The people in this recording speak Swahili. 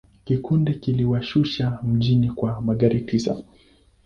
Kikundi kiliwashusha mjini kwa magari tisa.